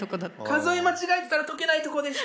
数え間違えてたら解けないとこでした。